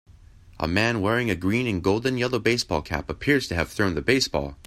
A man wearing a green and golden yellow baseball cap appears to have thrown the baseball.